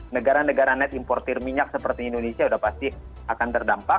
negara negara net importer minyak seperti indonesia sudah pasti akan terdampak